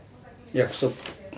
約束。